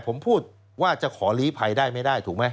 ผมพูดว่าจะขอลีภัยได้ไม่ได้ถูกไหม